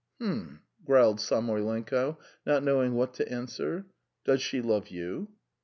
"H'm! ..." growled Samoylenko, not knowing what to answer. "Does she love you?"